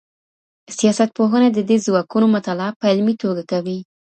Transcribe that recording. سياستپوهنه د دې ځواکونو مطالعه په علمي توګه کوي.